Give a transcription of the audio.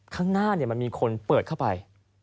ข้างหน้ามันมีคนเปิดเข้าไป